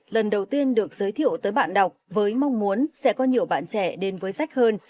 lần đầu tiên được giới thiệu tới bạn đọc với mong muốn sẽ có nhiều bạn trẻ đến với sách hơn